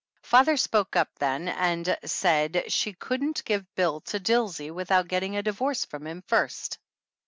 Father spoke up then and said she couldn't give Bill to Dilsey without getting a divorce from him first.